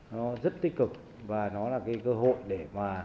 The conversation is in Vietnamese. nó rất tích cực và nó là cái cơ hội để mà